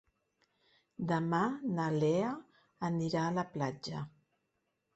Demà na Lea anirà a la platja.